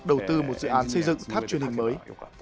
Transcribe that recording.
đầu tư một dự án xây dựng tháp truyền hình mới